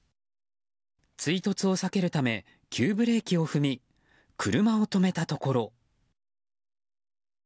追突を避けるため急ブレーキを踏み車を止めたところ。